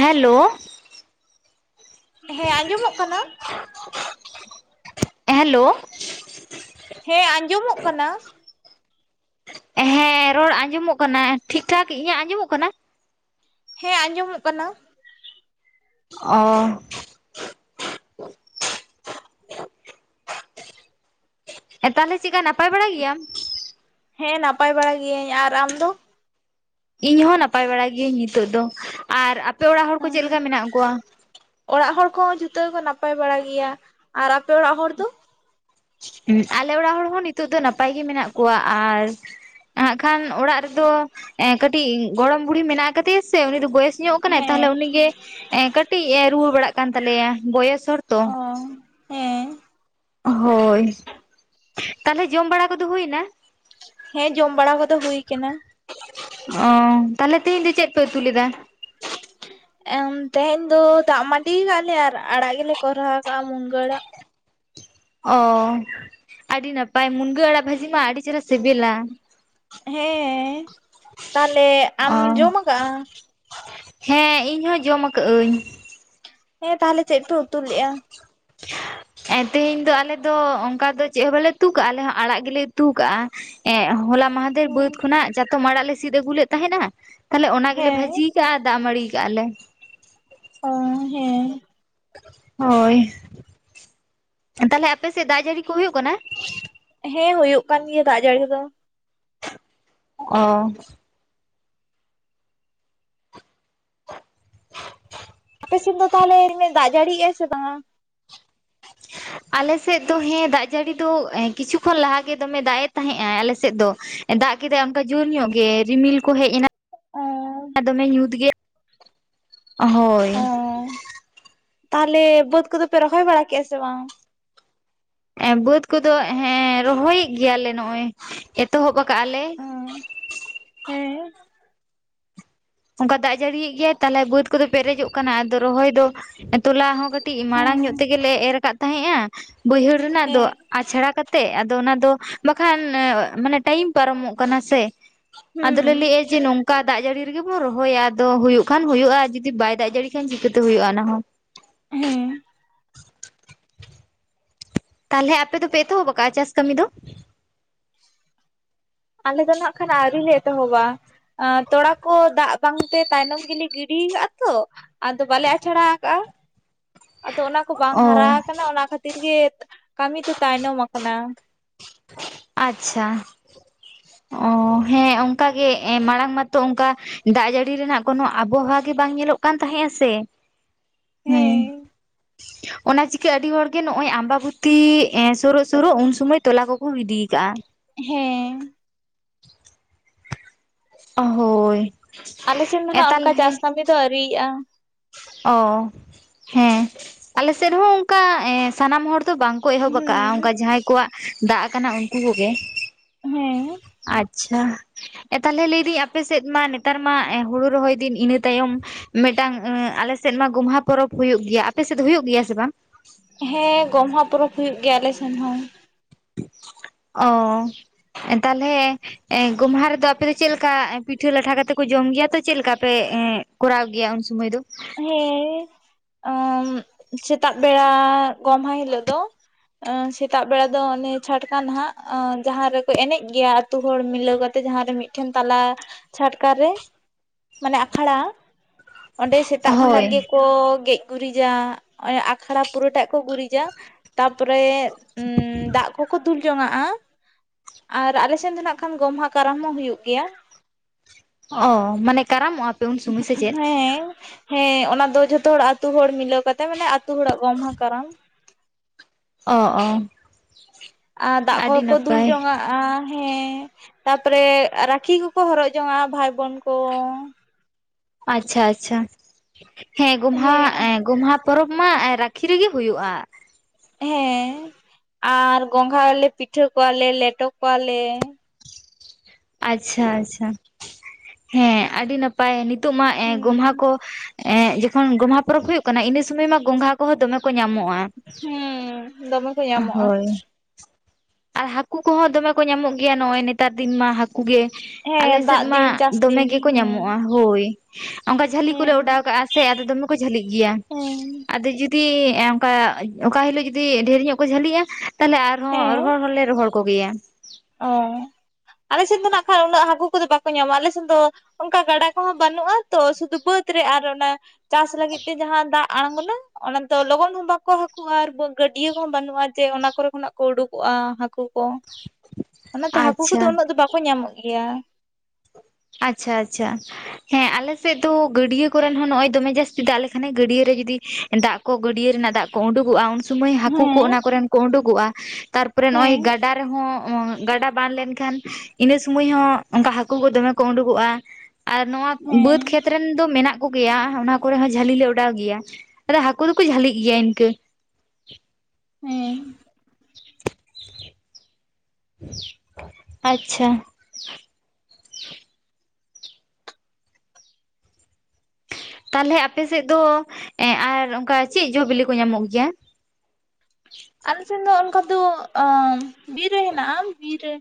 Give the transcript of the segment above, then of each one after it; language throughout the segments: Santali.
ᱦᱮᱞᱳ ᱦᱮᱸ ᱟᱸᱡᱚᱢᱚᱜ ᱠᱟᱱᱟ? ᱦᱮᱞᱳ ᱦᱮᱸ ᱟᱸᱡᱚᱢᱚᱜ ᱠᱟᱱᱟ? ᱦᱮᱸ ᱨᱚᱲ ᱟᱸᱡᱚᱢᱚᱜ ᱠᱟᱱᱟ᱾ ᱴᱷᱤᱠ ᱴᱷᱟᱠ ᱤᱧᱟᱹᱜ ᱟᱸᱡᱚᱢᱚᱜ ᱠᱟᱱᱟ? ᱦᱮᱸ ᱟᱸᱡᱚᱢᱚᱜ ᱠᱟᱱᱟ᱾ ᱚᱚᱻ [inaudible] ᱛᱟᱦᱚᱞᱮ ᱪᱮᱫᱠᱟ ᱱᱟᱯᱟᱭ ᱵᱟᱲᱟ ᱜᱮᱭᱟᱢ? ᱦᱮᱸ ᱱᱟᱯᱟᱭ ᱵᱟᱲᱟ ᱜᱤᱭᱟᱹᱧ ᱟᱨ ᱟᱢ ᱫᱚ? ᱤᱧ ᱦᱚᱸ ᱱᱟᱯᱟᱭ ᱵᱟᱲᱟ ᱜᱤᱭᱟᱹᱧ ᱱᱤᱛᱚᱜ ᱫᱚ᱾ ᱟᱨ ᱟᱯᱮ ᱚᱲᱟᱜ ᱦᱚᱲ ᱠᱚ ᱪᱮᱫ ᱞᱮᱠᱟ ᱢᱮᱱᱟᱜ ᱠᱚᱣᱟ? ᱚᱲᱟᱜ ᱦᱚᱲ ᱠᱚᱦᱚᱸ ᱡᱩᱛᱚᱹ ᱠᱚ ᱱᱟᱯᱟᱭ ᱵᱟᱲᱟ ᱜᱮᱭᱟ᱾ ᱟᱨ ᱟᱯᱮ ᱚᱲᱟᱜ ᱦᱚᱲ ᱫᱚ? ᱦᱮᱸ ᱟᱞᱮ ᱚᱲᱟᱜ ᱦᱚᱲ ᱦᱚᱸ ᱱᱤᱛᱚᱜ ᱫᱚ ᱱᱟᱯᱟᱭ ᱜᱮ ᱢᱮᱱᱟᱜ ᱠᱚᱣᱟ ᱟᱨ ᱦᱟᱜ ᱠᱷᱟᱱ ᱚᱲᱟᱜ ᱨᱮᱫᱚ ᱮ ᱠᱟᱹᱴᱤᱜ ᱜᱚᱲᱚᱢ ᱵᱩᱲᱦᱤ ᱢᱮᱱᱟᱜ ᱠᱟᱫᱮᱭᱟ ᱥᱮ ᱩᱱᱤ ᱫᱚ ᱵᱚᱭᱮᱥ ᱧᱚᱜ ᱠᱟᱱᱟᱭ ᱛᱟᱦᱚᱞᱮ ᱦᱮᱸ ᱩᱱᱤᱜᱮ ᱠᱟᱹᱴᱤᱡ ᱨᱩᱣᱟᱹ ᱵᱟᱲᱟᱜ ᱠᱟᱱ ᱛᱟᱞᱮᱭᱟ ᱵᱚᱭᱮᱥ ᱦᱚᱲ ᱛᱚ ᱚ ᱦᱮᱸ ᱦᱳᱭ ᱛᱟᱦᱚᱞᱮ ᱡᱚᱢ ᱵᱟᱲᱟ ᱠᱚᱫᱚ ᱦᱩᱭ ᱮᱱᱟ? ᱦᱮᱸ ᱡᱚᱢ ᱵᱟᱲᱟ ᱠᱚᱫᱚ ᱦᱩᱭ ᱠᱟᱱᱟ᱾ ᱚ ᱛᱟᱦᱚᱞᱮ ᱛᱮᱦᱤᱧ ᱫᱚ ᱪᱮᱫ ᱯᱮ ᱩᱛᱩ ᱞᱮᱫᱟ? ᱛᱮᱦᱮᱧ ᱫᱚ ᱫᱟᱜ ᱢᱟᱹᱰᱤ ᱠᱟᱜ ᱞᱮ ᱟᱨ ᱟᱲᱟᱜ ᱜᱮᱞᱮ ᱠᱚᱨᱦᱟᱣ ᱠᱟᱜᱼᱟ ᱢᱩᱱᱜᱟᱹᱜ ᱟᱲᱟᱜ ᱚ ᱟᱹᱰᱤ ᱱᱟᱯᱟᱭ ᱢᱩᱱᱜᱟᱹ ᱟᱲᱟᱜ ᱵᱷᱟᱹᱡᱤ ᱢᱟ ᱟᱹᱰᱤ ᱪᱮᱦᱨᱟ ᱥᱤᱵᱤᱞᱟ᱾ ᱦᱮᱸ ᱛᱟᱦᱚᱞᱮ ᱟᱢ ᱚ ᱡᱚᱢ ᱟᱠᱟᱜ ᱦᱮᱸ ᱤᱧ ᱦᱚ ᱡᱚᱢ ᱟᱠᱟᱜ ᱤᱧ᱾ ᱦᱮᱸ ᱛᱟᱦᱚᱞᱮ ᱪᱮᱫ ᱯᱮ ᱩᱛᱩ ᱞᱮᱫ-ᱟ? ᱛᱮᱦᱮᱧ ᱫᱚ ᱟᱞᱮ ᱫᱚ ᱚᱱᱠᱟ ᱫᱚ ᱪᱮᱫ ᱦᱚᱸ ᱵᱟᱞᱮ ᱩᱛᱩ ᱠᱟᱜ-ᱟ ᱟᱞᱮ ᱦᱚᱸ ᱟᱲᱟᱜ ᱜᱮᱞᱮ ᱩᱛᱩ ᱠᱟᱜ-ᱟ᱾ ᱮ ᱦᱚᱞᱟ ᱢᱟᱦᱟᱫᱮᱨ ᱵᱟᱹᱫᱽ ᱠᱷᱚᱱᱟᱜ ᱪᱟᱛᱚᱢ ᱟᱲᱟᱜ ᱞᱮ ᱥᱤᱫ ᱟᱹᱜᱩ ᱞᱮᱫ ᱛᱟᱦᱮᱸᱫᱱᱟ ᱛᱟᱦᱞᱮ ᱚᱱᱟ ᱜᱮᱞᱮ ᱦᱮᱸ ᱵᱷᱟᱹᱡᱤᱼᱼ ᱫᱟᱜ ᱢᱟᱰᱤ ᱠᱟᱜ ᱞᱮ᱾ ᱚ ᱦᱮᱸ᱾ ᱦᱳᱭ ᱛᱟᱦᱚᱞᱮ ᱟᱯᱮ ᱥᱮᱫ ᱫᱟᱜ ᱡᱟᱹᱲᱤ ᱠᱚ ᱦᱩᱭᱩᱜ ᱠᱟᱱᱟ? ᱦᱮᱸ ᱦᱩᱭᱩᱜ ᱠᱟᱱ ᱜᱮᱭᱟ ᱫᱟᱜ ᱡᱟᱹᱲᱤ ᱠᱚ ᱫᱚ᱾ ᱚᱻ ᱟᱯᱮᱥᱮᱫ ᱫᱚ ᱛᱟᱦᱚᱞᱮ ᱫᱟᱜ ᱡᱟᱹᱲᱤᱜᱟᱭ ᱥᱮ ᱵᱟᱝ ᱟ? ᱟᱞᱮ ᱥᱮᱫ ᱫᱚ ᱦᱮᱸ ᱫᱟᱜ ᱡᱟᱹᱲᱤ ᱫᱚ ᱠᱤᱪᱷᱩ ᱠᱷᱚᱱ ᱞᱟᱦᱟ ᱜᱮ ᱫᱚᱢᱮ ᱫᱟᱜ ᱮ ᱛᱟᱦᱮᱸᱫ-ᱟ ᱟᱞᱮ ᱥᱮᱫ ᱫᱚ᱾ ᱫᱟᱜ ᱠᱮᱫᱟᱭ ᱚᱱᱠᱟ ᱡᱳᱨ ᱧᱚᱜ ᱜᱮ ᱨᱤᱢᱤᱞ ᱠᱚ ᱦᱮᱡ ᱮᱱᱟ᱾ ᱚ ᱫᱚᱢᱮ ᱧᱩᱛ ᱜᱮ ᱦᱳᱭ᱾ ᱚ ᱛᱟᱦᱚᱞᱮ ᱵᱟᱹᱫᱽ ᱠᱚᱫᱚ ᱯᱮ ᱨᱚᱦᱚᱭ ᱵᱟᱲᱟ ᱠᱮᱜ-ᱟ ᱥᱮ ᱵᱟᱝ? ᱵᱟᱹᱫᱽ ᱠᱚᱫᱚ ᱦᱮᱸ ᱨᱚᱦᱚᱭ ᱮᱫ ᱜᱮᱭᱟᱞᱮ ᱱᱚᱜᱚᱭ ᱮᱛᱚᱦᱚᱵ ᱟᱠᱟᱫ ᱟᱞᱮ᱾ ᱚ ᱦᱮᱸ᱾ ᱚᱱᱠᱟ ᱫᱟᱜ ᱡᱟᱹᱲᱤᱭᱮᱫ ᱜᱮᱭᱟᱭ ᱛᱟᱦᱚᱞᱮ ᱵᱟᱹᱫ ᱠᱚᱫᱚ ᱯᱮᱨᱮᱡᱚᱜ ᱠᱟᱱᱟ ᱟᱫᱚ ᱨᱚᱦᱚᱭ ᱫᱚ ᱛᱚᱞᱟ ᱦᱚᱸ ᱠᱟᱹᱴᱤᱡᱼᱼ ᱠᱟᱹᱴᱤᱡ ᱢᱟᱲᱟᱝ ᱧᱚᱜ ᱛᱮᱜᱮᱞᱮ ᱮᱨ ᱠᱟᱫ ᱛᱟᱦᱮᱸᱫ-ᱟ ᱵᱟᱹᱭᱦᱟᱹᱲ ᱨᱮᱱᱟᱜ ᱫᱚ᱾ ᱟᱪᱷᱟᱲᱟ ᱠᱟᱛᱮᱜ ᱟᱫᱚ ᱚᱱᱟ ᱫᱚ ᱵᱟᱠᱷᱟᱱ ᱢᱟᱱᱮ ᱴᱟᱭᱤᱢ ᱯᱟᱨᱚᱢᱚᱜ ᱠᱟᱱᱟ ᱥᱮ᱾ ᱟᱫᱚᱞᱮ ᱦᱩᱸ ᱞᱟᱹᱭᱮᱜ-ᱟ ᱡᱮ ᱱᱚᱝᱠᱟ ᱫᱟᱜ ᱡᱟᱹᱲᱤᱼᱼ ᱨᱮᱜᱮ ᱵᱚᱱ ᱨᱚᱦᱚᱭᱟ ᱟᱫᱚ ᱦᱩᱭᱩᱜ ᱠᱷᱟᱱ ᱦᱩᱭᱩᱜᱼᱟ ᱡᱩᱫᱤ ᱵᱟᱭ ᱫᱟᱜ ᱡᱟᱹᱲᱤ ᱠᱷᱟᱱ ᱪᱤᱠᱟᱹᱛᱮ ᱦᱩᱭᱩᱜ-ᱟ ᱚᱱᱟ ᱦᱚᱸ᱾ ᱦᱮᱸ᱾ ᱛᱟᱦᱚᱞᱮ ᱟᱯᱮ ᱫᱚᱯᱮ ᱮᱛᱚᱦᱚᱵ ᱠᱟᱜ-ᱟ ᱪᱟᱥ ᱠᱟᱹᱢᱤ ᱫᱚ? ᱟᱞᱮ ᱫᱚ ᱱᱟᱜ ᱠᱷᱟᱱ ᱟᱹᱣᱨᱤ ᱞᱮ ᱮᱛᱚᱦᱚᱵᱟ ᱛᱚᱲᱟ ᱠᱚ ᱫᱟᱜ, ᱵᱟᱝ ᱛᱮ ᱛᱟᱭᱱᱚᱢ ᱜᱮᱞᱮ ᱜᱤᱰᱤ ᱠᱟᱫ-ᱟ ᱛᱚ ᱟᱫᱚ ᱵᱟᱞᱮ ᱟᱪᱷᱟᱲᱟ ᱟᱠᱟᱫ-ᱟ᱾ ᱟᱫᱚ ᱚᱱᱟ ᱠᱚ ᱵᱟᱝ ᱚ ᱦᱟᱨᱟ ᱟᱠᱟᱱᱟ ᱚᱱᱟ ᱠᱷᱟᱹᱛᱤᱨ ᱜᱮ ᱠᱟᱹᱢᱤ ᱫᱚ ᱛᱟᱭᱱᱚᱢ ᱠᱟᱱᱟ᱾ ᱟᱪᱪᱷᱟ ᱚ ᱦᱮᱸ ᱚᱱᱠᱟ ᱜᱮ ᱢᱟᱲᱟᱝ ᱢᱟᱛᱚ ᱚᱱᱠᱟᱼᱼ ᱫᱟᱜ ᱡᱟᱹᱲᱤ ᱨᱮᱱᱟᱜ ᱠᱳᱱᱚ ᱟᱵᱚᱦᱟᱣᱟ ᱜᱮ ᱵᱟᱝ ᱧᱮᱞᱚᱜ ᱠᱟᱱ ᱛᱟᱦᱮᱸ-ᱟ ᱥᱮ᱾ [unintelligible] ᱦᱮᱸ᱾ ᱚᱱᱟ ᱪᱤᱠᱟᱹ ᱟᱹᱰᱤ ᱦᱚᱲᱜᱮ ᱱᱚᱜ ᱚᱭ ᱟᱢᱵᱟ ᱵᱩᱛᱤ ᱮᱸ ᱥᱩᱨᱩᱜ ᱥᱩᱨᱩᱜ ᱩᱱ ᱥᱩᱢᱚᱭ ᱛᱚᱞᱟ ᱠᱚᱠᱚ ᱜᱤᱰᱤᱼᱼ ᱠᱟᱜᱼᱟ᱾ ᱦᱮᱸ᱾ ᱚ ᱦᱳᱭ᱾ ᱟᱞᱮᱥᱮᱱ ᱫᱚ ᱱᱟᱜ ᱚᱱᱠᱟ ᱛᱟᱞᱦᱮ ᱪᱟᱥ ᱠᱟᱹᱢᱤ ᱫᱚ ᱟᱹᱣᱨᱤᱭᱟᱜᱼᱟ᱾ ᱚ ᱦᱮᱸ ᱟᱞᱮ ᱥᱮᱫ ᱦᱚᱸ ᱚᱱᱠᱟ ᱥᱟᱱᱟᱢ ᱦᱚᱲ ᱫᱚ ᱵᱟᱝ᱾ ᱠᱚ ᱮᱦᱚᱵ ᱟᱠᱟᱫᱟᱼᱟ ᱚᱱᱠᱟ ᱦᱩᱸ ᱡᱟᱦᱟᱸᱭ ᱠᱚᱣᱟᱜ ᱫᱟᱜ ᱟᱠᱟᱱᱟ ᱩᱱᱠᱩ ᱠᱚᱜᱮ᱾ ᱦᱮᱸ᱾ ᱟᱪᱪᱷᱟ᱾ ᱛᱟᱦᱞᱮ ᱞᱟᱹᱭ ᱫᱟᱹᱧ ᱟᱯᱮ ᱥᱮᱫ ᱢᱟ ᱱᱮᱛᱟᱨ ᱢᱟ ᱦᱩᱲᱩ ᱨᱚᱦᱚᱭ ᱫᱤᱱ ᱤᱱᱟᱹ ᱛᱟᱭᱚᱢᱼᱼ ᱢᱤᱫᱴᱟᱝ ᱟᱞᱮᱥᱮᱫ ᱢᱟ ᱜᱚᱢᱦᱟ ᱯᱚᱨᱚᱵᱽ ᱦᱩᱭᱩᱜ ᱜᱮᱭᱟ ᱟᱯᱮ ᱥᱮᱫ ᱫᱚ ᱦᱩᱭᱩᱜ ᱜᱮᱭᱟ ᱥᱮ ᱵᱟᱝ? ᱦᱮᱸ ᱜᱚᱢᱦᱟ ᱯᱚᱨᱚᱵᱽ ᱦᱩᱭᱩᱜ ᱜᱮᱭᱟ ᱟᱞᱮᱥᱮᱱ ᱦᱚᱸ᱾ ᱚ ᱛᱟᱦᱚᱞᱮᱼᱼ ᱮᱜ ᱜᱚᱢᱦᱟ ᱨᱮᱫᱚ ᱟᱯᱮ ᱫᱚ ᱪᱮᱫ ᱞᱮᱠᱟ ᱯᱤᱴᱷᱟᱹ ᱞᱟᱴᱷᱟ ᱠᱟᱛᱮᱫ ᱠᱚ ᱡᱚᱢ ᱜᱮᱭᱟ ᱛᱚ ᱪᱮᱫ ᱞᱮᱠᱟ ᱯᱮ ᱮᱸᱜ᱾ ᱠᱚᱨᱟᱣ ᱜᱮᱭᱟ ᱩᱱ ᱥᱩᱢᱚᱭ ᱫᱚ᱾ ᱦᱮᱸ ᱥᱮᱛᱟᱜ ᱵᱮᱲᱟ ᱜᱚᱢᱦᱟ ᱦᱤᱞᱳᱜ ᱫᱚ᱾ ᱥᱮᱛᱟᱜ ᱵᱮᱲᱟ ᱫᱚ ᱚᱱᱮ ᱪᱷᱟᱴᱠᱟ ᱱᱟᱦᱟᱜ ᱡᱟᱦᱟᱸ ᱨᱮᱠᱚ ᱮᱱᱮᱡ ᱜᱮᱭᱟ ᱟᱹᱛᱩ ᱦᱚᱲ ᱢᱤᱞᱟᱹᱣ ᱠᱟᱛᱮᱜ ᱡᱟᱦᱟᱸ ᱨᱮ ᱢᱤᱫ ᱮᱠᱷᱮᱱ ᱛᱟᱞᱟ ᱪᱷᱟᱴᱠᱟᱟᱨ ᱨᱮ ᱢᱟᱱᱮ ᱟᱠᱷᱲᱟ ᱚᱸᱰᱮ ᱥᱮ ᱥᱮᱛᱟᱜ ᱠᱷᱚᱱᱟᱜ ᱦᱳᱭ ᱜᱮᱠᱚ ᱜᱮᱡ ᱜᱩᱨᱤᱡᱟ [unintelligible] ᱟᱠᱷᱲᱟ ᱯᱩᱨᱟᱹᱴᱟᱜ ᱠᱚ ᱜᱩᱨᱤᱡᱟ ᱛᱟᱯᱚᱨᱮ ᱩ ᱫᱟᱜ ᱠᱚᱠᱚ ᱫᱩᱞ ᱡᱚᱱᱟᱜᱼᱟ ᱟᱨ ᱟᱞᱮ ᱥᱮᱱ ᱫᱚ ᱱᱟᱜ ᱠᱷᱟᱱ ᱜᱚᱢᱦᱟ ᱠᱟᱨᱟᱢ ᱦᱚᱸ ᱦᱩᱭᱩᱜ ᱜᱮᱭᱟ ᱚ ᱢᱟᱱᱮ ᱠᱟᱨᱟᱢᱚᱜᱼᱟ ᱯᱮ ᱩᱱ ᱥᱢᱚᱭ ᱥᱮ ᱪᱮᱫ ᱦᱮᱸ ᱦᱮᱸ ᱚᱱᱟ ᱫᱚ ᱡᱷᱚᱛᱚ ᱦᱚᱲ ᱟᱛ ᱦᱚᱲ ᱢᱤᱞᱟᱹᱣ ᱠᱟᱛᱮ ᱢᱟᱱᱮ ᱟᱛ ᱦᱚᱲᱟᱜ ᱜᱚᱢᱦᱟ ᱠᱟᱨᱟᱢ ᱚ ᱚ ᱟ ᱫᱟᱜ ᱠᱚᱦ ᱟᱹᱰᱤ ᱠᱚ ᱫᱩᱞ ᱱᱟᱯᱟᱭ ᱡᱚᱝᱱᱟᱜᱼᱟ ᱦᱮᱸ ᱛᱟᱯᱚᱨᱮ ᱨᱟᱠᱷᱤ ᱦᱚᱠᱚ ᱦᱚᱨᱚᱜ ᱡᱚᱝᱼᱟ ᱵᱷᱟᱭ ᱵᱚᱱ ᱠᱚ ᱟᱪᱪᱷᱟ ᱟᱪᱪᱷᱟ ᱦᱮᱸ ᱜᱩᱚᱢᱦᱟ ᱦᱮᱸ ᱮ ᱜᱚᱢᱦᱟ ᱯᱚᱨᱚᱵᱽ ᱢᱟ ᱨᱟᱠᱷᱤ ᱨᱮᱜᱮ ᱦᱩᱭᱩᱜᱼᱟ ᱦᱮᱸ ᱟᱨ ᱜᱚᱸᱜᱷᱟ ᱞᱮᱮ ᱯᱤᱴᱷᱟᱹ ᱠᱚᱣᱟᱞᱮ ᱞᱮᱴᱚ ᱠᱚᱣᱟᱞᱮ ᱟᱪᱪᱷᱟ ᱟᱪᱪᱷᱟ ᱦᱮᱸ ᱟᱹᱰᱤ ᱱᱟᱯᱟᱭ ᱱᱤᱛᱚᱜ ᱢᱟ ᱮ ᱦᱩᱸ ᱜᱚᱢᱦᱟ ᱠᱚ ᱮᱸ ᱡᱚᱠᱷᱚᱱ ᱜᱚᱢᱦᱟ ᱯᱚᱨᱚᱵᱽ ᱦᱩᱭᱩᱜᱜ ᱠᱟᱱᱟ ᱤᱱᱟᱹ ᱥᱩᱢᱚᱭ ᱢᱟ ᱜᱚᱝᱜᱷᱟ ᱠᱚᱦᱚᱸ ᱫᱚᱢᱮ ᱠᱚ ᱧᱟᱢᱚᱜᱼᱟ ᱦᱩᱸ ᱫᱚᱢᱮ ᱠᱚ ᱧᱟᱢᱚᱜᱼᱟ ᱦᱳᱭ ᱟᱨ ᱦᱟᱟᱹᱠᱩ ᱠᱚᱦᱚᱸ ᱫᱚᱢᱮ ᱠᱚ ᱧᱟᱢᱚᱜ ᱜᱮᱭᱟ ᱱᱚᱜ ᱚᱚᱭ ᱱᱮᱛᱟᱨ ᱫᱤᱱ ᱢᱟ ᱦᱠᱩ ᱩᱩᱜᱮ ᱦᱮᱸ ᱟᱞᱮᱥᱮᱫ ᱫᱟᱜ ᱢᱟ ᱫᱤᱱ ᱪᱟᱥ ᱫᱚᱢᱮ ᱫᱤᱱ ᱜᱮᱠᱚ ᱦᱩᱸ ᱧᱟᱢᱚᱜᱼᱟ ᱦᱳᱭ ᱚᱱᱠᱟ ᱡᱷᱟᱹᱞᱤ ᱠᱚᱞᱮ ᱦᱮᱸ ᱚᱰᱟᱣ ᱠᱟᱜᱼᱟ ᱥᱮ ᱟᱫᱚ ᱫᱚᱢᱮ ᱠᱚ ᱡᱷᱟᱹᱞᱤᱜ ᱜᱮᱭᱟ ᱦᱮᱸ ᱟᱫᱚ ᱡᱤᱛ [unintelligible] ᱚᱱᱠᱟ ᱚᱠᱟ ᱦᱤᱞᱳᱜ ᱡᱩᱫᱤ ᱰᱷᱮᱨ ᱧᱚᱜ ᱠᱚ ᱡᱷᱟᱹᱞᱤᱜᱼᱟ ᱛᱟᱦᱚᱞᱮ ᱟᱨᱦᱚᱸ ᱚᱨᱦ ᱦᱮᱸ ᱦᱚᱲᱞᱮ ᱨ ᱦᱚᱲ ᱠᱚᱜᱮᱭᱟ ᱚ ᱟᱞᱮ ᱥᱮᱱ ᱫᱚ ᱱᱟᱜ ᱠᱷᱟ ᱩᱱᱟᱹᱜ ᱦᱟᱹᱠᱩ ᱠᱚᱫᱚ ᱵᱟᱠᱚ ᱧᱟᱢᱟ ᱟᱞᱮ ᱥᱮᱱ ᱫᱚ ᱚᱱᱠᱟ ᱜᱟᱰᱟ ᱠᱚᱦᱚᱸ ᱵᱟᱹᱱᱩᱜᱼᱟ ᱛᱚ ᱥᱩᱫᱩ ᱵᱟᱹᱫ ᱨᱮ ᱟᱨ ᱚᱱᱟ ᱪᱟᱥ ᱞᱟᱹᱜᱤᱫ ᱛᱮ ᱡᱟᱦᱟᱸ ᱫᱟᱜ ᱟᱲᱝᱜᱱᱟ ᱚᱱᱟ ᱫᱚ ᱞᱚᱜᱚᱱ ᱦᱚᱸ ᱵᱟᱠᱚ ᱦᱟᱟᱹᱠᱩᱼᱟ ᱟᱨ ᱜᱟᱹᱰᱭᱟᱹ ᱠᱚᱦᱚᱸ ᱵᱟᱹᱱᱩᱜᱼᱟ ᱡᱮ ᱚᱱᱟ ᱠᱚᱨᱮ ᱠᱷᱚᱱᱟᱜ ᱠᱚ ᱩᱰᱩᱠᱚᱜᱼᱟ ᱦᱟᱟᱹᱠᱩ ᱠᱚ ᱚᱱᱟᱛᱮ ᱦᱟᱹᱠᱩ ᱟᱪᱪᱷᱟ ᱠᱚᱫᱚ ᱩᱱᱟᱹᱜ ᱫᱚ ᱵᱟᱠᱚ ᱧᱟᱢᱚᱜ ᱜᱮᱭᱟ ᱟᱪᱪᱷᱟ ᱟᱪᱪᱷᱟ ᱦᱮᱸ ᱟᱞᱮ ᱥᱮᱫ ᱫᱚ ᱜᱟᱹᱰᱭᱟᱹ ᱠᱚᱨᱮᱱ ᱦᱚᱸ ᱱᱚᱜᱼᱚᱭ ᱫᱚᱢᱮ ᱡᱟᱹᱥᱛᱤ ᱫᱟᱜ ᱟᱞᱮ ᱠᱷᱟᱱᱮ ᱜᱟᱹᱰᱭᱟᱹ ᱨᱮ ᱡᱩᱫᱤ ᱫᱟᱜ ᱠᱚ ᱜᱟᱹᱰᱭᱟᱹ ᱨᱮᱱᱟᱜ ᱫᱟᱜ ᱠᱚ ᱩᱰᱩᱠᱚᱜᱼᱟ ᱥᱩᱢᱟᱹᱭ ᱦᱟᱠᱩᱠᱩ ᱦᱮᱸ ᱚᱱᱟ ᱠᱚᱨᱮᱱ ᱠᱚ ᱩᱰᱩᱠᱚᱜᱼᱟ ᱛᱟᱨᱯᱚᱨᱮ ᱱᱚᱜ ᱚᱚᱭ ᱦᱮᱸ ᱜᱟ ᱛᱟ ᱨᱮᱦ [unintelligible] ᱜᱟᱰᱟ ᱵᱟᱱ ᱞᱮᱱᱠᱷᱟᱱ ᱤᱱᱟᱹ ᱥᱩᱢᱟᱹᱭ ᱦᱚᱸ ᱚᱱᱠᱟ ᱦᱟᱟᱹᱠᱩ ᱠᱚ ᱫᱚᱢᱮ ᱠᱚ ᱩᱰᱩᱠᱚᱜᱼᱟ ᱟᱨ ᱱᱚᱣᱟ ᱦᱮᱸ ᱵᱟᱹᱫᱽ ᱠᱷᱮᱛ ᱨᱮᱱ ᱫᱚ ᱢᱮᱱᱟᱜ ᱠᱚᱜᱮᱭᱟ ᱚᱱᱟ ᱠᱚᱨᱮ ᱦᱚᱸ ᱡᱷᱟᱹᱞᱤ ᱞᱮ ᱚᱰᱟᱣ ᱜᱮᱭᱟ [unintelligible] ᱦᱟᱹᱠᱩ ᱫᱚᱠᱚ ᱡᱷᱟᱹᱞᱤᱜ ᱜᱮᱭᱟ ᱤᱱᱠᱣᱹ ᱦᱮᱸ ᱟᱪᱪᱷᱟ ᱛᱟᱦᱚᱞᱮ ᱟᱯᱮᱥᱮᱫ ᱫᱚ ᱮ ᱟᱨ ᱚᱱᱠᱟ ᱪᱮᱫ ᱡᱚ ᱵᱤᱞᱤ ᱠᱚ ᱧᱟᱢᱚᱜ ᱜᱮᱭᱟ ᱟᱞᱮ ᱥᱮᱱ ᱫᱚ ᱚᱱᱠᱟ ᱫᱚ ᱟᱟ ᱵᱤᱨ ᱨᱮ ᱦᱮᱱᱟᱜᱼᱟ ᱵᱤᱨ ᱨᱮ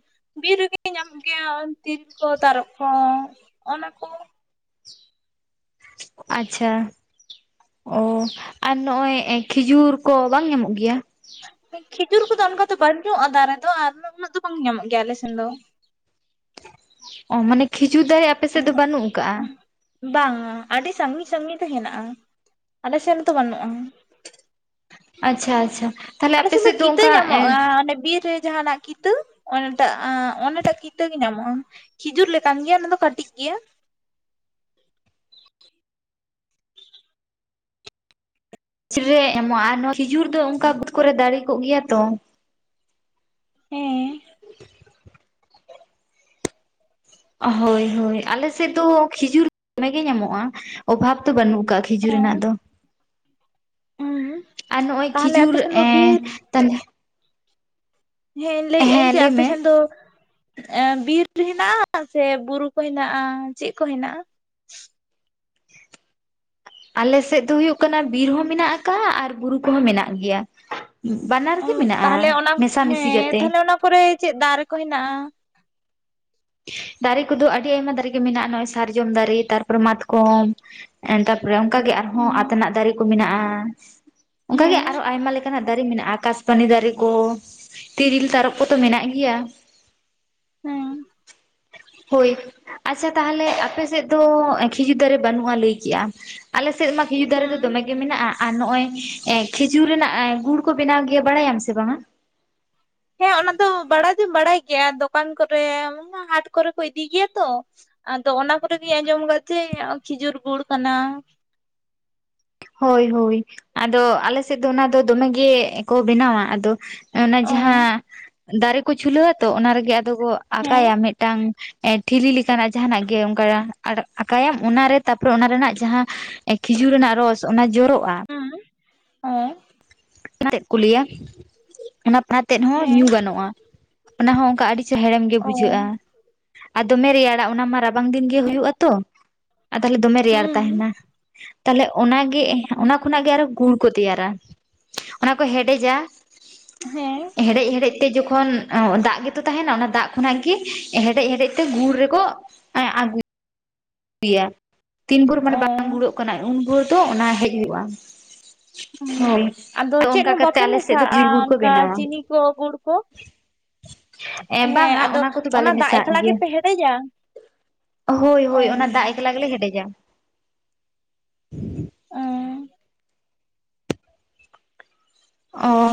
ᱵᱤᱨ ᱨᱮᱜᱮ ᱧᱟᱢᱚᱜ ᱜᱮᱭᱟ ᱛᱤᱞ ᱠᱚ ᱛᱟᱨᱚᱵ ᱠᱚ ᱚᱱᱟ ᱠᱚ ᱟᱪᱪᱷᱟ ᱚ ᱟᱨ ᱱᱚᱜᱼᱚᱭ ᱠᱷᱤᱡᱩᱨ ᱠᱚ ᱵᱟᱝ ᱧᱟᱢᱚᱜ ᱜᱮᱭᱟ ᱠᱷᱤᱡᱩᱨ ᱠᱚᱫᱚ ᱚᱱᱠᱟ ᱫᱚ ᱵᱟᱹᱱᱩᱜᱼᱟ ᱫᱟᱨᱮ ᱫᱚ ᱟᱨ ᱩᱱᱟᱹᱜ ᱫᱚ ᱵᱟᱝ ᱧᱟᱢᱚᱜ ᱜᱮᱭᱟ ᱟᱞᱮ ᱥᱮᱱ ᱫᱚ ᱚ ᱢᱟᱱᱮ ᱠᱷᱤᱡᱩᱨ ᱫᱟᱨᱮ ᱟᱯᱮ ᱥᱮᱫ ᱫᱚ ᱵᱟᱹᱱᱩᱜ ᱟᱠᱟᱜᱼᱟ ᱵᱟᱝᱟ ᱟᱹᱰᱤ ᱥᱟᱺᱜᱤᱧ ᱥᱟᱺᱜᱤᱧ ᱛᱮ ᱦᱮᱱᱟᱜᱼᱟ ᱟᱞᱮᱥᱮᱱ ᱛᱚ ᱵᱟᱹᱱᱩᱜᱼᱟ ᱟᱪᱪᱷᱟ ᱟᱪᱪᱷᱟ ᱛᱟᱦᱞᱮ ᱟᱞᱮ ᱟᱯᱮ ᱥᱮᱱ ᱫᱚ ᱥᱮᱫ ᱠᱤᱛᱟᱹ ᱚᱱᱠᱟ ᱧᱟᱢᱚᱜᱼᱟ ᱵᱤᱨ ᱚᱱᱮ ᱵᱤᱨ ᱨᱮ ᱡᱟᱦᱟᱱᱟᱜ ᱠᱤ ᱠᱤᱛᱟᱹ ᱚᱱᱴᱟᱜ ᱟᱸ ᱚᱱᱴᱟᱜ ᱠᱤᱛᱟᱹ ᱜᱮ ᱧᱟᱢᱚᱜᱼᱟ᱾ ᱠᱷᱤᱡᱩᱨ ᱞᱮᱠᱟᱱ ᱜᱮᱭᱟ ᱚᱱᱟ ᱫᱚ ᱠᱟᱹᱴᱤᱡ ᱜᱮᱭᱟ᱾ [unintelligible] ᱨᱮ ᱮᱢᱚᱜᱼᱟ ᱟᱨ ᱱᱚᱣᱟ ᱠᱷᱤᱡᱩᱨ ᱫᱚ ᱚᱱᱠᱟ ᱵᱟᱹᱫᱽ ᱠᱚᱨᱮ ᱫᱟᱨᱮ ᱠᱚᱜ ᱜᱮᱭᱟ ᱛᱚ᱾ ᱦᱮᱸ᱾ ᱦᱳᱭ ᱦᱳᱭ᱾ ᱟᱞᱮᱥᱮᱫ ᱫᱚ ᱠᱷᱤᱡᱩᱨ ᱫᱚᱢᱮ ᱜᱮ ᱧᱟᱢᱚᱜᱼᱟ, ᱚᱵᱷᱟᱵ ᱫᱚ ᱵᱟᱹᱱᱩᱜ ᱟᱠᱟᱫᱟ᱾ ᱠᱷᱤᱡᱩᱨ ᱨᱮᱱᱟᱜ ᱫᱚ᱾ ᱚ ᱦᱮᱸ᱾ ᱟᱨ ᱱᱚᱜᱼᱚᱭ ᱠᱷᱤᱡᱩᱨ ᱮ ᱛᱟᱞᱦᱮ ᱦᱮᱸ ᱤᱧ ᱞᱟᱹᱭᱮᱜ ᱟᱹᱧ ᱦᱮᱸ ᱡᱮ ᱞᱟᱹᱭ ᱟᱯᱮ ᱢᱮ ᱥᱮᱱ ᱫᱚ ᱮᱸ ᱵᱤᱨ ᱦᱮᱱᱟᱜᱼᱟ ᱥᱮ ᱵᱩᱨᱩ ᱠᱚ ᱦᱮᱱᱟᱜᱼᱟ ᱪᱮᱫ ᱠᱚ ᱦᱮᱱᱟᱜᱼᱟ? [inaudible] ᱟᱞᱮ ᱥᱮᱫ ᱫᱚ ᱦᱩᱭᱩᱜ ᱠᱟᱱᱟ ᱵᱤᱨ ᱦᱚᱸ ᱢᱮᱱᱟᱜ ᱟᱠᱟᱜᱼᱟ ᱟᱨ ᱵᱩᱨᱩ ᱠᱚᱦᱚᱸ ᱢᱮᱱᱟᱜ ᱜᱮᱭᱟ᱾ ᱵᱟᱱᱟᱨ ᱚ ᱜᱮ ᱢᱮᱱᱟᱜᱼᱟ ᱛᱟᱦᱚᱞᱮ ᱚᱱᱟ ᱢᱮᱥᱟᱢᱤᱥᱤ ᱦᱮᱸ ᱠᱟᱛᱮ᱾ ᱛᱟᱦᱚᱞᱮ ᱚᱱᱟ ᱠᱚᱨᱮ ᱪᱮᱫ ᱫᱟ ᱨᱮ ᱠᱚ ᱦᱮᱱᱟᱜᱼᱟ? ᱫᱟᱨᱮ ᱠᱚᱫᱚ ᱟᱹᱰᱤ ᱟᱭᱢᱟ ᱫᱟᱨᱮ ᱜᱮ ᱢᱮᱱᱟᱜᱼᱟ ᱱᱚᱜᱼᱚᱭ ᱥᱟᱨᱡᱚᱢ ᱫᱟᱨᱮ ᱛᱟᱨᱯᱚᱨᱮ ᱢᱟᱛᱠᱚᱢ᱾ ᱮᱸ ᱛᱟᱯᱚᱨᱮ ᱚᱱᱠᱟᱜ ᱜᱮ ᱟᱨᱦᱚᱸ ᱦᱩᱸ ᱟᱛᱮᱱᱟᱜ ᱫᱟᱨᱮ ᱠᱚ ᱢᱮᱱᱟᱜᱼᱟ, ᱚᱱᱠ ᱜᱮ ᱦᱮᱸ ᱟᱨᱦᱚ ᱟᱭᱢᱟ ᱞᱮᱠᱟᱱᱟᱜ ᱫᱟᱨᱮ ᱢᱮᱱᱟᱜᱼᱟ᱾ ᱠᱟᱥᱯᱟᱱᱤ ᱫᱟᱨᱮ ᱠᱚ ᱛᱤᱨᱤᱞ ᱛᱟᱨᱚ ᱠᱚᱛᱚ ᱢᱮᱱᱟᱜ ᱜᱮᱭᱟ᱾ ᱦᱮᱸ᱾ ᱦᱳᱭ᱾ ᱟᱪᱪᱷᱟ ᱛᱟᱦᱚᱞᱮ ᱟᱯᱮᱥᱮᱫ ᱫᱚ ᱠᱷᱤᱡᱩᱨ ᱫᱟᱨᱮ ᱵᱟᱹᱱᱩᱜᱼᱟ ᱞᱟᱹᱭ ᱠᱮᱜᱼᱟᱢ, ᱟᱞᱮᱥᱮᱫ ᱢᱟᱛ ᱠᱷᱤᱡᱩᱨ ᱫᱟᱨᱮ ᱫᱚ ᱦᱮᱸ ᱫᱚᱢᱮ ᱜᱮ ᱢᱮᱱᱟᱜᱼᱟ ᱟᱨ ᱱᱚᱜ-ᱚᱭ ᱮ ᱠᱷᱮᱡᱩᱨ ᱨᱮᱱᱟᱜ ᱮ ᱜᱩᱲ ᱠᱚ ᱵᱮᱱᱟᱣ ᱜᱮᱭᱟ, ᱵᱟᱲᱟᱭᱟᱢ ᱥᱮ ᱵᱟᱝᱟ? ᱦᱮᱸ ᱚᱱᱟ ᱫᱚ ᱵᱟᱲᱟᱭ ᱫᱚᱧ ᱵᱟᱲᱟᱭ ᱜᱮᱭᱟ ᱫᱚᱠᱟᱱ ᱠᱚᱨᱮ ᱚᱱᱟ ᱦᱟᱴ ᱠᱚᱨᱮ ᱠᱚ ᱤᱫᱤ ᱜᱮᱭᱟ ᱛᱚ᱾ ᱟᱫᱚ ᱚᱱᱟ ᱠᱚᱨᱮ ᱜᱤᱧ ᱟᱸᱡᱚᱢ ᱟᱠᱟᱫ ᱪᱮ ᱠᱷᱤᱡᱩᱨ ᱜᱩᱲ ᱠᱟᱱᱟ᱾ ᱦᱳᱭ ᱦᱳᱭ᱾ ᱟᱫᱚ ᱟᱞᱮ ᱥᱮᱫ ᱫᱚ ᱚᱱᱟ ᱫᱚ ᱫᱚᱢᱮ ᱜᱮ ᱠᱚ ᱵᱮᱱᱟᱣᱟ᱾ ᱟᱫᱚ ᱚᱱᱟ ᱚ ᱡᱟᱦᱟᱸ ᱫᱟᱨᱮ ᱠᱚ ᱪᱩᱞᱟᱹᱣᱟᱹ ᱛᱚ ᱚᱱᱟ ᱨᱮᱜᱮ ᱟᱫᱚ ᱠᱚ ᱦᱮᱸ ᱟᱠᱟᱭᱟ ᱢᱤᱫᱴᱟᱝ ᱮᱸ ᱴᱷᱤᱞᱤ ᱞᱮᱠᱟᱱᱟᱜ ᱡᱟᱦᱟᱸᱱᱟᱜ ᱜᱮ ᱚᱱᱠᱟ ᱟᱠᱟᱸᱟᱢ ᱚᱱᱟᱨᱮ ᱛᱟᱯᱚᱨᱮ ᱚᱱᱟ ᱨᱮᱱᱟᱜ ᱡᱟᱦᱟᱸ ᱮ ᱠᱷᱤᱡᱩᱨ ᱨᱮᱱᱟᱜ ᱨᱚᱥ ᱚᱱᱟ ᱡᱚᱨᱚᱜᱼᱟ᱾ ᱦᱩᱸ᱾ ᱚ᱾ [unintelligible] ᱠᱚ ᱞᱭᱟ ᱚᱱᱟ ᱯᱷᱟᱸᱫ ᱛᱮᱫ ᱦᱚᱸ ᱦᱮᱸ ᱧᱩ ᱜᱟᱱᱚᱜᱼᱟ᱾ ᱚᱱᱟ ᱦᱚᱸ ᱚᱱᱠᱟ ᱟᱹᱰᱤ ᱪᱮᱦᱨᱟ ᱦᱮᱲᱮᱢ ᱜᱮ ᱚ ᱵᱩᱡᱷᱟᱹᱜᱼᱟ ᱟᱨ ᱫᱚᱢᱮ ᱨᱮᱭᱟᱲ ᱚᱱᱟ ᱢᱟ ᱨᱟᱵᱟᱝ ᱫᱤᱱ ᱜᱮ ᱦᱩᱭᱩᱜ-ᱚ ᱛᱚ ᱟᱨ ᱛᱟᱦᱞᱮ ᱫᱚᱢᱮ ᱨᱮᱭᱟᱲ ᱦᱩᱸ ᱛᱟᱦᱮᱱᱟ᱾ ᱛᱟᱦᱚᱞᱮ ᱚᱱᱟᱜᱮ ᱚᱱᱟ ᱠᱷᱚᱱᱟᱜ ᱜᱮ ᱟᱨᱚ ᱜᱩᱲ ᱠᱚ ᱛᱮᱭᱟᱨᱟ᱾ ᱚᱱᱟ ᱠᱚ ᱦᱮᱰᱮᱡᱟ ᱦᱮᱸ᱾ ᱦᱮᱰᱦᱮᱡ ᱦᱮᱰᱮᱡ ᱛᱮ ᱡᱚᱠᱷᱚᱱ ᱫᱟᱜ ᱜᱮᱛᱚ ᱛᱟᱦᱮᱱᱟ ᱚᱱᱟ ᱫᱟᱜ ᱠᱷᱚᱱᱟᱜ ᱜᱮ ᱦᱮᱰᱮᱡ ᱦᱮᱰᱮᱡ ᱛᱮ ᱜᱩᱲ ᱨᱮᱠᱚ ᱮᱸ ᱟᱜᱩᱭ ᱜᱭᱟ᱾ ᱛᱤᱱ ᱵᱷᱳᱨ ᱢᱟᱱᱮ ᱚ ᱵᱟᱝ ᱜᱩᱲᱚᱜ ᱠᱟᱱᱟ ᱩᱱ ᱵᱷᱳᱨ ᱫᱚ ᱚᱱᱟ ᱦᱮᱡ ᱦᱩᱭᱩᱜᱼᱟ᱾ ᱦᱩᱸ ᱦᱳᱭ᱾ ᱟᱫᱚ ᱪᱮᱫ ᱚᱱᱠᱟ ᱦᱚᱸ ᱠᱟᱛᱮᱜ ᱵᱟᱯᱮ ᱟᱞᱮ ᱥᱮᱫ ᱫᱚ ᱢᱮᱥᱟᱜᱼᱟ ᱠᱷᱤᱡᱩᱨ ᱜᱩᱲ ᱠᱚ ᱚᱱᱠᱟ ᱵᱮᱱᱟᱣᱟ᱾ ᱪᱤᱱᱤ ᱠᱚ ᱜᱩᱲ ᱠᱚ ᱮᱸ ᱦᱮᱸ ᱵᱟᱝᱟ ᱟᱫᱚ ᱚᱱᱟ ᱠᱚᱫᱚ ᱵᱟᱞᱮ ᱫᱟᱜ ᱢᱮᱥᱟᱜ ᱮᱠᱞᱟ ᱜᱮᱭᱟ᱾ ᱜᱮᱯᱮ ᱦᱮᱰᱮᱡᱟ ᱦᱳᱭ ᱚ ᱦᱳᱭ ᱚᱱᱟ ᱫᱟᱜ ᱮᱠᱞᱟ ᱜᱮᱞᱮ ᱦᱮᱰᱮᱡᱟ᱾ ᱩᱸ᱾ ᱚ᱾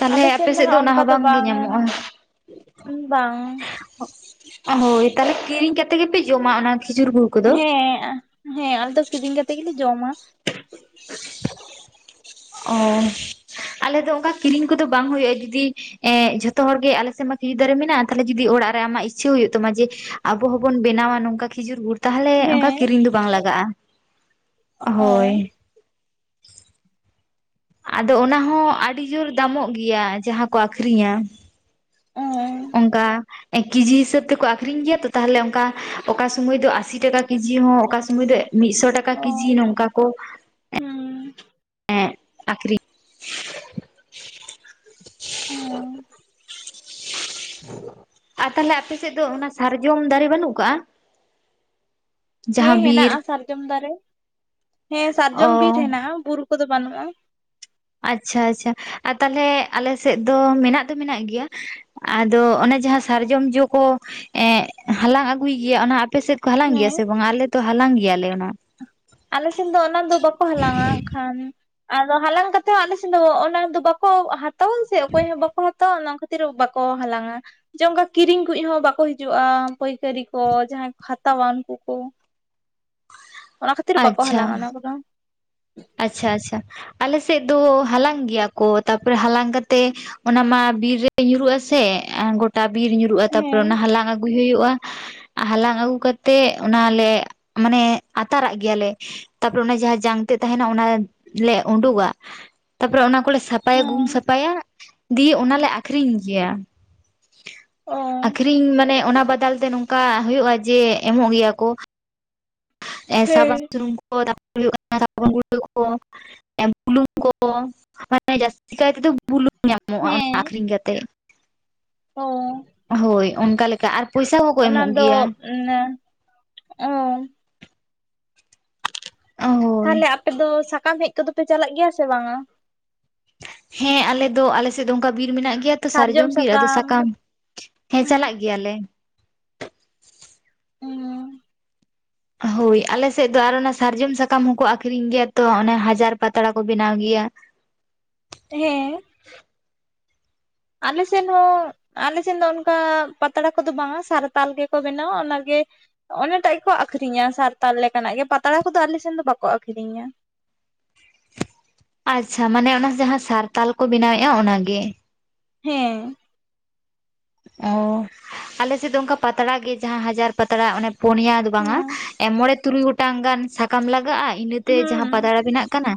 ᱛᱟᱞᱦᱮ ᱟᱞᱮ ᱥᱮᱱ ᱟᱯᱮ ᱥᱮᱫ ᱫᱚ ᱦᱟᱸᱜ ᱚᱱᱟ ᱚᱱᱠᱟ ᱦᱚᱸ ᱵᱟᱝᱜᱮ ᱵᱟᱝ ᱧᱟᱢᱚᱜᱼᱟ᱾ ᱵᱟᱝ ᱦᱳᱭ ᱛᱟᱦᱚᱞᱮ ᱠᱤᱨᱤᱧ ᱠᱟᱛᱮ ᱜᱮᱯᱮ ᱡᱚᱢᱟ ᱚᱱᱟ ᱠᱷᱤᱡᱩᱨ ᱜᱩᱲ᱾ ᱠᱚᱫᱚ ᱦᱮᱸ ᱟᱸ ᱦᱮᱸ ᱟᱞᱮ ᱫᱚ ᱠᱤᱨᱤᱧ ᱠᱟᱛᱮ ᱜᱮᱞᱮ ᱡᱚᱢᱟ᱾ ᱚ ᱟᱞᱮ ᱫᱚ ᱚᱝᱠᱟ ᱠᱤᱨᱤᱧ ᱠᱚᱫᱚ ᱵᱟᱝ ᱦᱩᱭᱩᱜᱼᱟ ᱮ ᱫᱤᱫᱤ ᱾ ᱮ ᱡᱷᱚᱛᱚ ᱦᱚᱲ ᱜᱮ ᱟᱞᱮ ᱥᱮᱱ ᱢᱟ ᱠᱷᱤᱡᱩᱨ ᱫᱟᱨᱮ ᱢᱮᱱᱟᱜᱼᱟ ᱛᱷᱟᱞᱮ ᱡᱚᱫᱤ ᱚᱲᱟᱜ ᱨᱮ ᱟᱢᱟᱜ ᱤᱪᱪᱷᱟᱹ ᱦᱩᱭᱩᱜ ᱛᱟᱢᱟ ᱡᱮ ᱟᱵᱚ ᱦᱚᱸᱵᱚᱱ ᱵᱮᱱᱟᱣᱟ ᱱᱚᱝᱠᱟ ᱠᱷᱤᱡᱩᱨ ᱜᱩᱨ ᱾ ᱛᱟᱦᱮᱞᱮ ᱚᱝᱠᱟ ᱦᱮᱸ ᱠᱤᱨᱤᱧ ᱫᱚ ᱵᱟᱝ ᱞᱟᱜᱟᱜᱼᱟ ᱚ ᱾ᱦᱳᱭ ᱟᱫᱚ ᱚᱱᱟ ᱦᱚᱸ ᱟᱰᱤ ᱡᱳᱨ ᱫᱟᱢᱚᱜ ᱜᱮᱭᱟ ᱡᱟᱦᱟᱸ ᱠᱚ ᱟᱹᱠᱷᱨᱤᱧᱟ ᱾ ᱚ, ᱚᱝᱠᱟ ᱮᱠᱤᱡᱤ ᱥᱟᱹᱵ ᱛᱮᱠᱚ ᱟᱹᱠᱷᱨᱤᱧ ᱜᱮᱭᱟ ᱛᱚ ᱛᱟᱦᱞᱮ ᱚᱱᱠᱟ ᱚᱠᱟ ᱥᱚᱢᱚᱭ ᱫᱚ ᱟᱥᱤ ᱴᱟᱠᱟ ᱠᱮᱡᱤ ᱦᱚᱸ ᱚᱠᱟ ᱥᱚᱢᱚᱭ ᱫᱚ ᱾ ᱢᱤᱫᱥᱚ ᱴᱟᱠᱟ ᱚ ᱠᱮᱡᱤ ᱱᱚᱝᱠᱟ ᱠᱚ ᱦᱩᱸ ᱟᱠᱷᱨᱤᱧ ᱾ [inaudible] [inaudible] ᱟᱨ ᱛᱟᱦᱟᱞᱮ ᱟᱯᱮ ᱥᱮᱫ ᱫᱚ ᱚᱱᱟ ᱥᱟᱨᱡᱚᱢ ᱫᱟᱨᱮ ᱵᱟᱱᱩᱜ ᱠᱟᱜᱼᱟ? ᱦᱮᱸ ᱡᱟᱦᱟᱸ ᱵᱤᱨ ᱦᱮᱱᱟᱜᱼᱟ ᱥᱟᱨᱡᱚᱢ ᱫᱟᱨᱮ ᱦᱮᱸ ᱚ ᱥᱟᱨᱡᱚᱢ ᱵᱤᱨ ᱦᱮᱱᱟᱜᱼᱟ ᱵᱩᱨᱩ ᱠᱚᱫᱚ ᱵᱟᱹᱱᱩᱜᱼᱟ ᱾ ᱟᱪᱪᱷᱟ ᱟᱪᱪᱷᱟ ᱟᱨ ᱛᱟᱦᱞᱮ ᱟᱞᱮᱥᱮᱫ ᱫᱚ ᱢᱮᱱᱟᱜ ᱫᱚ ᱢᱮᱱᱟᱜ ᱜᱮᱭᱟ ᱾ ᱟᱫᱚ ᱚᱱᱮ ᱡᱟᱦᱟᱸ ᱥᱟᱨᱡᱚᱢ ᱡᱚ ᱠᱚ ᱮᱜ ᱦᱟᱞᱟᱝ ᱟᱹᱜᱩᱭ ᱜᱮᱭᱟ ᱚᱱᱟ ᱟᱯᱮ ᱥᱮᱫ ᱠᱚ ᱦᱟᱞᱟᱝ ᱜᱮᱭᱟ ᱦᱮᱸ ᱥᱮ ᱵᱟᱝᱟ ᱟᱞᱮ ᱛᱚ ᱦᱟᱞᱟᱝ ᱜᱮᱭᱟᱞᱮ ᱚᱱᱟ ᱾ ᱟᱞᱮ ᱥᱮᱱ ᱫᱚ ᱚᱱᱟ ᱫᱚ ᱵᱟᱠᱚ ᱦᱟᱞᱟᱝᱼᱟ ᱟᱠᱷᱟᱱ ᱾ ᱟᱨᱚ ᱦᱟᱞᱟᱝ ᱠᱟᱛᱮ ᱦᱚᱸ ᱟᱞᱮᱥᱮᱫ ᱫᱚ ᱚᱱᱟ ᱫᱚ ᱵᱟᱠᱚ ᱦᱟᱛᱟ ᱚᱱ ᱥᱮ ᱚᱠᱚᱭ ᱦᱚᱸ ᱵᱟᱠᱚ ᱦᱟᱛ ᱛᱟᱣᱟ ᱚᱱᱟ ᱠᱷᱟᱹᱛᱤᱨ ᱵᱟᱠᱚ ᱦᱟᱞᱟᱝᱼᱟ ᱾ ᱡᱚᱝᱜᱟ ᱠᱤᱨᱤᱧ ᱠᱩᱭᱡ ᱦᱚᱸ ᱵᱟᱠᱚ ᱦᱤᱡᱩᱜᱼᱟ ᱯᱟᱹᱭᱠᱟᱹᱨᱤ ᱠᱚ ᱡᱟᱦᱟᱸᱭ ᱠᱚ ᱦᱟᱛᱟᱣᱟ ᱩᱱᱠᱩ ᱠᱚ ᱾ ᱛᱤᱨ ᱵᱟᱠᱚ ᱟᱪᱪᱷᱟ ᱦᱟᱞᱟᱝᱟ ᱚᱱᱟ ᱠᱚᱫᱚ ᱾ ᱟᱪᱪᱷᱟ ᱟᱪᱪᱷᱟ ᱟᱞᱮ ᱥᱮᱫ ᱫᱚ ᱦᱟᱞᱟᱝ ᱜᱮᱭᱟ ᱠᱚ ᱛᱟᱯᱚᱨᱮ ᱦᱟᱞᱟᱝ ᱠᱟᱛᱮ ᱚᱱᱟ ᱢᱟ ᱵᱤᱨ ᱨᱮ ᱧᱩᱨᱩᱜ ᱟᱥᱮ ᱜᱚᱴᱟ ᱵᱤᱨ ᱧᱩᱨᱩᱜᱼᱟ ᱛᱟᱯᱚᱨᱮ ᱚᱱᱟ ᱦᱮᱸ ᱦᱟᱞᱟᱝ ᱜᱩᱭ ᱦᱩᱭᱩᱜᱼᱟ ᱦᱟᱞᱟᱝ ᱟᱹᱜᱩ ᱠᱟᱛᱮᱜ ᱚᱱᱟ ᱞᱮ ᱢᱟᱱᱮ ᱟᱛᱟᱨᱟᱜ ᱜᱮᱭᱟᱞᱮ ᱾ ᱛᱟᱯᱚᱨᱮ ᱚᱱᱟ ᱡᱟᱦᱟ ᱡᱟᱝ ᱾ ᱛᱮᱫ ᱛᱟᱦᱮᱱᱟ ᱚᱱᱟ ᱞᱮ ᱳᱰᱳᱜᱟ ᱛᱟᱯᱚᱨᱮ ᱚᱱᱟ ᱠᱚᱞᱮ ᱥᱟᱯᱷᱟᱭᱟ ᱜᱩᱢ ᱦᱮᱸ ᱥᱟᱯᱷᱟᱭᱟ ᱾ ᱫᱤᱭᱮ ᱚᱱᱟᱞᱮ ᱟᱹᱠᱷᱨᱤᱧ ᱜᱮᱭᱟ ᱚ ᱟᱠᱷᱨᱤᱧ ᱢᱟᱱᱮ ᱚᱱᱟ ᱵᱟᱫᱟᱞ ᱛᱮ ᱱᱚ ᱠᱟ ᱦᱳᱭᱳᱜᱼᱟ ᱡᱮ ᱮᱢᱚᱜ ᱜᱮᱭᱟ ᱠᱚ ᱾ ᱮ ᱦᱮᱸ ᱥᱟᱵᱟᱱ ᱥᱩᱱᱩᱢ [inaudible] [inaudible] ᱵᱩᱞᱩᱝ ᱧᱟᱢᱚᱜᱼᱟ ᱚᱱᱟ ᱦᱮᱸ ᱠᱹᱷᱨᱤᱧ ᱠᱟᱛᱮ ᱾ ᱚ, ᱦᱳᱭ ᱚᱱᱠᱟ ᱞᱮᱠᱟ ᱟᱨ ᱯᱚᱭᱥᱟ ᱦᱚᱸᱠᱚ ᱚᱱᱟ ᱮᱢᱚᱜ ᱫᱚ ᱜᱮᱭᱟ ᱢᱟᱱᱮ ᱚ ᱦᱳᱭ ᱛᱟᱦᱞᱮ ᱟᱯᱮ ᱫᱚ ᱥᱟᱠᱟᱢ ᱦᱮᱡ ᱠᱚᱫᱚ ᱯᱮ ᱪᱟᱞᱟᱜ ᱜᱮᱭᱟ ᱥᱮ ᱵᱟᱝᱟ? ᱦᱮᱸ ᱟᱞᱮ ᱫᱚ ᱟᱞᱮ ᱥᱮᱫ ᱫᱚ ᱚᱝᱠᱟ ᱵᱤᱨ ᱢᱮᱱᱟᱜ ᱜᱮᱭᱟ ᱛᱚ ᱥᱟᱨᱡᱚᱢ ᱵᱤᱨ ᱟᱫᱚ ᱥᱟᱠᱟᱢ ᱦᱮᱸ ᱪᱟᱞᱟᱜ ᱜᱮᱭᱟᱞᱮ ᱾ [inaudible] ᱦᱳᱭ ᱟᱞᱮ ᱥᱮᱫ ᱫᱚ ᱟᱨ ᱚᱱᱟ ᱥᱟᱨᱡᱚᱢ ᱥᱟᱠᱟᱢ ᱦᱚᱸᱠᱚ ᱟᱠᱷᱨᱤᱧ ᱜᱮᱭᱟ ᱛᱚ ᱚᱱᱮ ᱦᱟᱡᱟᱨ ᱯᱟᱛᱲᱟ ᱠᱚ ᱵᱮᱱᱟᱣ ᱜᱮᱭᱟ ᱾ ᱦᱮᱸ ᱟᱞᱮ ᱥᱮᱱ ᱦᱚᱸ ᱟᱞᱮ ᱥᱮᱱ ᱫᱚ ᱚᱱᱠᱟ ᱯᱟᱛᱲᱟ ᱠᱚᱫᱚ ᱵᱟᱝᱟ ᱥᱟᱨᱛᱟᱞ ᱜᱮᱠᱚ ᱵᱮᱱᱟᱣᱟ ᱚᱱᱟᱜᱮ ᱚᱱᱮᱴᱟᱜ ᱜᱮᱠᱚ ᱟᱹᱠᱷᱨᱤᱧᱟ ᱥᱟᱨᱛᱟᱞ ᱞᱮᱠᱟᱱᱟᱜ ᱜᱮ ᱯᱟᱛᱲᱟ ᱠᱚᱫᱚ ᱟᱞᱮᱥᱮᱱ ᱫᱚ ᱵᱟᱠᱚ ᱟᱹᱠᱷᱨᱤᱧᱟ ᱾ ᱟᱪᱪᱷᱟ ᱢᱟᱱᱮ ᱚᱱᱟ ᱡᱟᱦᱟᱸ ᱥᱟᱨᱛᱟᱞ ᱠᱚ ᱵᱮᱱᱟᱣᱮᱫ-ᱟ ᱚᱱᱟᱜᱮ᱾ ᱦᱮᱸ ᱚ ᱟᱞᱮ ᱥᱮᱫ ᱫᱚ ᱚᱱᱠᱟ ᱯᱟᱛᱲᱟ ᱜᱮ ᱡᱟᱦᱟᱸ ᱦᱟᱡᱟᱨ ᱯᱟᱛᱲᱟ ᱚᱱᱮ ᱯᱩᱱᱭᱟ ᱫᱚ ᱵᱟᱝᱟ ᱦᱮᱸ ᱢᱚᱬᱮ ᱛᱩᱨᱩᱭ ᱜᱚᱴᱟᱝ ᱜᱟᱱ ᱥᱟᱠᱟᱢ ᱞᱟᱜᱟᱜ-ᱟ ᱤᱱᱟᱹ ᱛᱮ ᱡᱟᱦᱟᱸ ᱦᱩᱸ ᱯᱟᱛᱲᱟ ᱵᱮᱱᱟᱜ ᱠᱟᱱᱟ